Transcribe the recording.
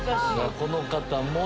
この方も。